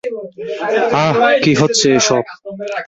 আহ, কী হচ্ছে এসব?